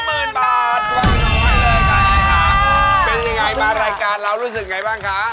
เป็นยังไงบ้านรายการเรารู้สึกไงบ้างคะ